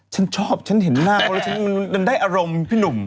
ฉันชอบฉันเห็นหน้าก็ได้อารมณ์พี่หนุ่ม